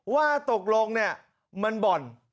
ว่าตกลงเนี่ยมันบ่อน